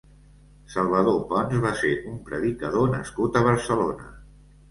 Salvador Ponç va ser un predicador nascut a Barcelona.